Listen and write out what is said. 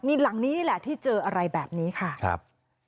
มีหลังนี้นี่แหละที่เจออะไรแบบนี้ค่ะครับ